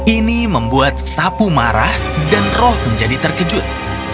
ini membuat sapu marah dan roh menjadi terkejut